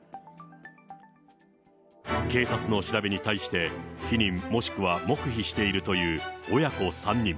警察の調べに対して、否認、もしくは黙秘しているという親子３人。